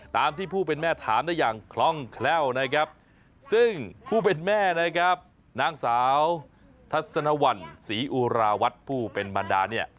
ตามที่ผู้เป็นแม่ถามได้อย่างคล่องแคล่วนะครับซึ่งผู้เป็นแม่นะครับนางสาวทัศนวัลศรีอุราวัฒน์ผู้เป็นบรรดาเนี่ย